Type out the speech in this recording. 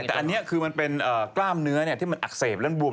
แต่อันนี้คือมันเป็นกล้ามเนื้อที่มันอักเสบแล้วบวม